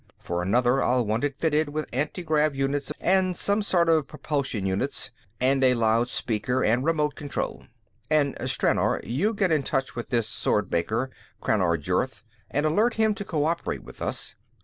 For another, I'll want it fitted with antigrav units and some sort of propulsion units, and a loud speaker, and remote control. "And, Stranor, you get in touch with this swordmaker, Crannar Jurth, and alert him to co operate with us.